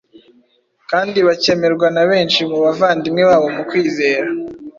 kandi bakemerwa na benshi mu bavandimwe babo mu kwizera,